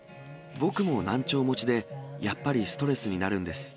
僕も難聴持ちで、やっぱりストレスになるんです。